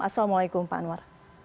assalamualaikum pak anwar